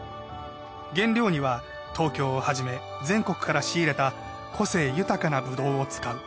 原料には東京をはじめ全国から仕入れた個性豊かなブドウを使う。